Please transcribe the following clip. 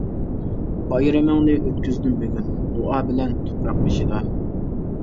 بايرىمىڭنى ئۆتكۈزدۈم بۈگۈن، دۇئا بىلەن تۇپراق بېشىدا.